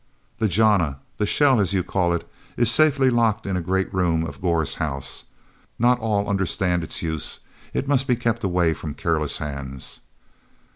"The jana—the shell, as you call it—is safely locked in a great room of Gor's house. Not all understand its use; it must be kept away from careless hands."